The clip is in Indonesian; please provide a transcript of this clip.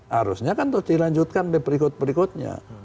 harusnya kan terus dilanjutkan di berikut berikutnya